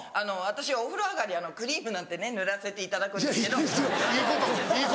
私お風呂上がりクリームなんてね塗らせていただくんですけど。